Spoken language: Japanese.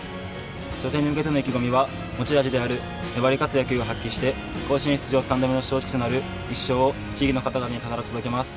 初戦に向けての意気込みは持ち味である粘り勝つ野球を発揮して甲子園出場三度目の正直となる１勝を、地域の方々に必ず届けます。